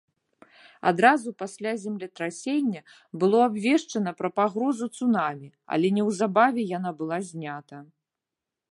Адразу пасля землетрасення было абвешчана пра пагрозу цунамі, але неўзабаве яна была знята.